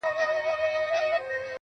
نن شپه له رويا سره خبرې وکړه_